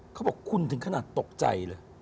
เขาบอกคุณถึงขนาดตกใจเลย